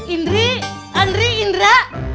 indri andri indra